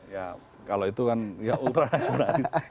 ya kalau itu kan ya ultra nasionalis